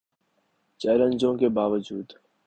چیلنجوں کے باوجو